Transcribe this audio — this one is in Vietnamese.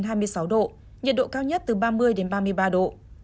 nhiệt độ cao nhất từ ba mươi đến ba mươi ba độ